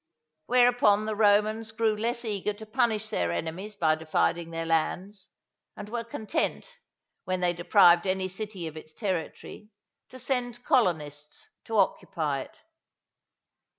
Whereupon the Romans grew less eager to punish their enemies by dividing their lands, and were content, when they deprived any city of its territory, to send colonists to occupy it.